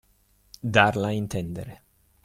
Darla a intendere.